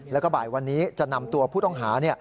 แล้วก็บ่ายวันนี้จะนำตัวผู้ต้องหา